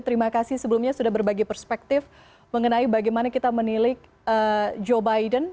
terima kasih sebelumnya sudah berbagi perspektif mengenai bagaimana kita menilik joe biden